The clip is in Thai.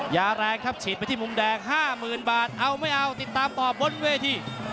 ยาแรงครับฉีดไปที่มุมแดง๕๐๐๐บาทเอาไม่เอาติดตามต่อบนเวที